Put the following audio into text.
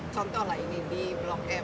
contoh lah ini di blok m